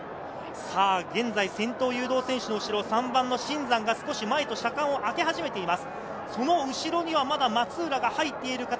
現在、先頭誘導選手の後ろは３番の新山、車間をあけ始めています。